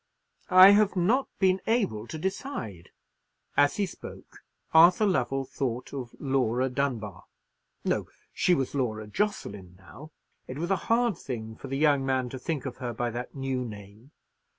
"I have not been able to decide." As he spoke, Arthur Lovell thought of Laura Dunbar. No; she was Laura Jocelyn now. It was a hard thing for the young man to think of her by that new name.